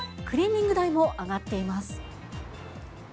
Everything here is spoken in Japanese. クリーニング代も上がっています。